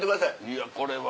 いやこれは。